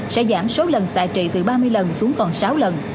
sẽ giảm số lần xạ trị từ ba mươi lần xuống còn sáu lần